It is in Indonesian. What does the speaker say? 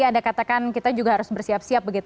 anda katakan kita juga harus bersiap siap